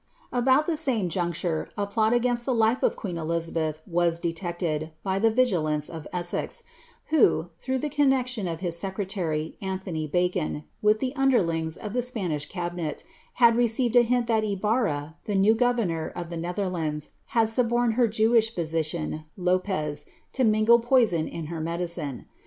\boiit the same juncture a pint against the life of qaee^ Eliubeih n as ilelected, by the »igilance of Essex, who, ihroag h the coamxMO of his seerelaiy, Anthony Bacon, with the iinderliogt of the Spuuth cabinet, had received a hint that Ibnrra, ihe new governor of the Nnhar landE, had suborned her Jew physician, Lopez, to mingle poison In lur medicine.